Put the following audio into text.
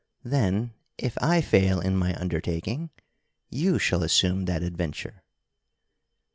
Then, if I fail in my undertaking, you shall assume that adventure."